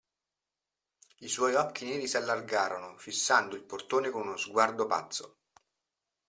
I suoi occhi neri s'allargarono, fissando il portone con uno sguardo pazzo.